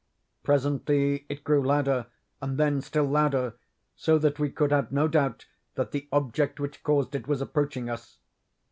Presently it grew louder, and then still louder, so that we could have no doubt that the object which caused it was approaching us.